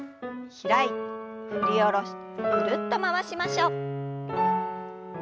開いて振り下ろしてぐるっと回しましょう。